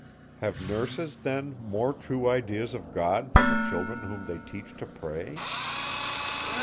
Have nurses then more true ideas of God than the children whom they teach to pray?